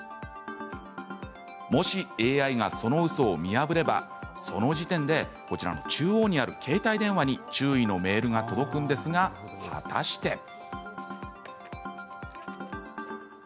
もしＡＩが、そのうそを見破ればその時点でこちらの中央にある携帯電話に注意のメールが届くんですが果たして。